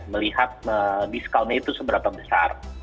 melihat discountnya itu seberapa besar